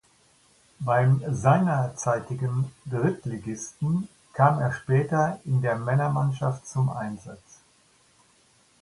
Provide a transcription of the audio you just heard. Beim seinerzeitigen Drittligisten kam er später in der Männermannschaft zum Einsatz.